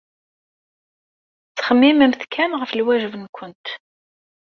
Ttxemmimemt kan ɣef lwajeb-nwent.